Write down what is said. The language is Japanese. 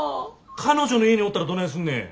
彼女の家におったらどないすんねん。